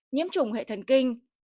nhiễm trùng hệ thần kinh